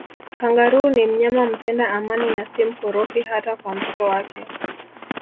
Kangaroo ni mnyama mpenda amani na si mkorofi hata kwa mtoto wake